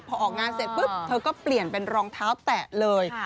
พอออกงานเสร็จปุ๊บเธอก็เปลี่ยนเป็นรองเท้าแตะเลย